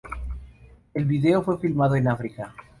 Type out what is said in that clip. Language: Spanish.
El video fue filmado en África.